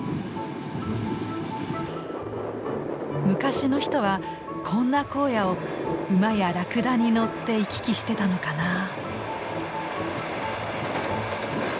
昔の人はこんな荒野を馬やラクダに乗って行き来してたのかな。